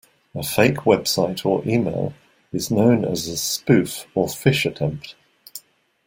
A fake website or email is known as a spoof or phish attempt.